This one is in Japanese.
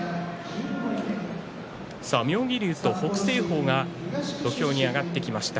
妙義龍と北青鵬が土俵に上がってきました。